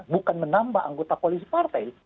bukan menambah anggota koalisi partai